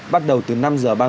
bắt đầu từ năm h ba mươi